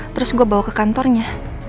terus gue bawa ke kantornya